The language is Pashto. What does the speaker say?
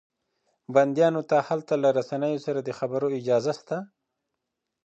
بنديانو ته هلته له رسنيو سره د خبرو اجازه شته.